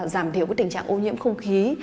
giảm thiểu cái tình trạng ô nhiễm không khí